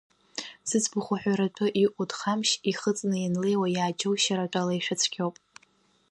Зыӡбахә уҳәаратәы иҟоу Дӷамшь, ихыҵны ианлеиуа иааџьоушьаратәы алеишәа цәгьоуп.